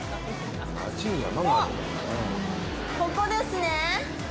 おっ、ここですね！